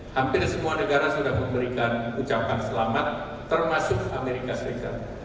hampir semua negara sudah memberikan ucapan selamat termasuk amerika serikat